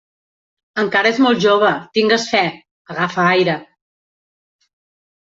Encara és molt jove!, Tingues fe! —agafa aire—.